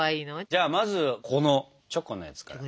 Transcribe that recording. じゃあまずこのチョコのやつから。